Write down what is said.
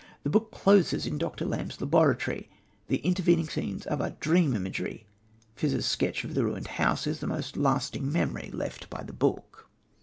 The book closes in Dr. Lamb's laboratory; the intervening scenes are but dream imagery. Phiz's sketch of the Ruined House is the most lasting memory left by the book.